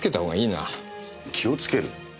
気をつける？